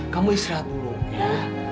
kamu istirahat dulu ya